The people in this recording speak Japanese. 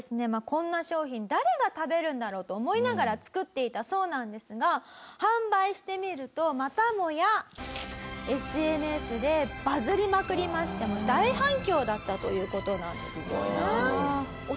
こんな商品誰が食べるんだろうと思いながら作っていたそうなんですが販売してみるとまたもやＳＮＳでバズりまくりまして大反響だったという事なんですね。